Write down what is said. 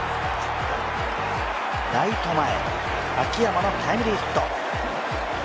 ライト前、秋山のタイムリーヒット。